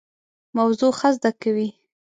موضوع ښه زده کوي.